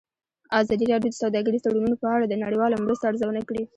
ازادي راډیو د سوداګریز تړونونه په اړه د نړیوالو مرستو ارزونه کړې.